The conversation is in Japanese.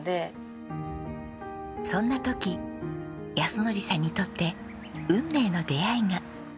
そんな時靖典さんにとって運命の出会いが。